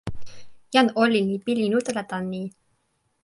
jan olin li pilin utala tan ni!